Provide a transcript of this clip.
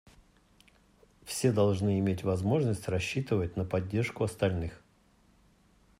Все должны иметь возможность рассчитывать на поддержку остальных.